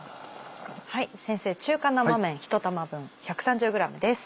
先生中華生めん１玉分１３０ｇです。